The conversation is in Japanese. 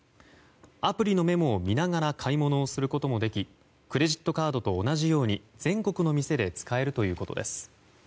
アプリのメモを見ながら買い物をすることもできクレジットカードと同じように全国の店で使えるということです。